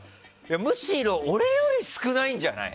むしろ俺より少ないんじゃない？